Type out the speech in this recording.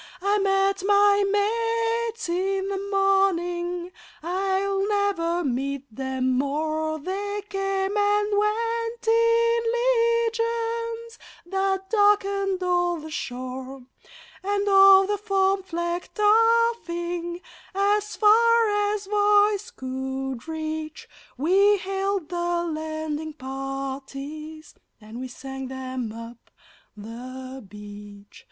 I met my mates in the morning (I'll never meet them more!); They came and went in legions that darkened all the shore. And o'er the foam flecked offing as far as voice could reach We hailed the landing parties and we sang them up the beach.